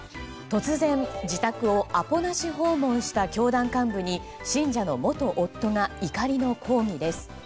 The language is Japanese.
突然、自宅をアポなし訪問した教団幹部に信者の元夫が怒りの抗議です。